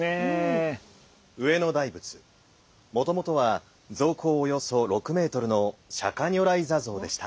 上野大仏もともとは像高およそ６メートルの釈如来坐像でした。